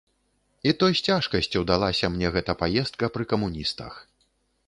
І то з цяжкасцю далася мне гэта паездка пры камуністах.